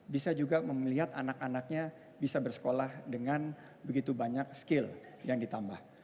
bisa juga melihat anak anaknya bisa bersekolah dengan begitu banyak skill yang ditambah